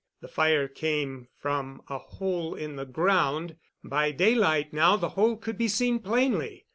The fire came from a hole in the ground; by daylight now the hole could be seen plainly.